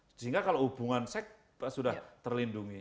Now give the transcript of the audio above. sehingga kalau hubungan seks sudah terlindungi